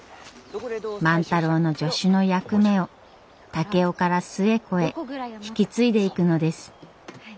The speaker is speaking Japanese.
万太郎の助手の役目を竹雄から寿恵子へ引き継いでいくのです。